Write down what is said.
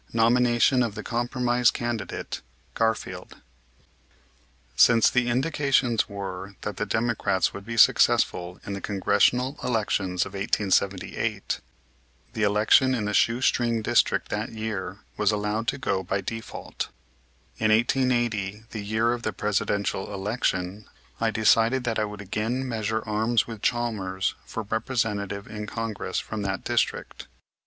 NOMINATION OF THE COMPROMISE CANDIDATE, GARFIELD Since the indications were that the Democrats would be successful in the Congressional elections of 1878, the election in the "shoe string district" that year was allowed to go by default. In 1880, the year of the Presidential election, I decided that I would again measure arms with Chalmers for Representative in Congress from that district.